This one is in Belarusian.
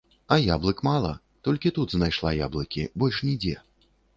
А яблык мала, толькі тут знайшла яблыкі, больш нідзе.